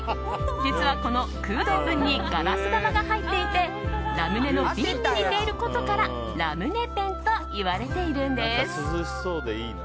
実はこの空洞部分にガラス玉が入っていてラムネの瓶に似ていることからラムネペンといわれているんです。